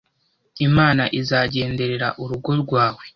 Imana izagenderera urugo rwawe,